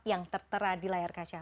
yang tertera di layar kaca